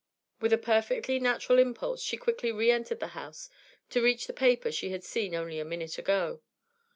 With a perfectly natural impulse, she quickly re entered the house, to reach the paper she had seen only a minute ago.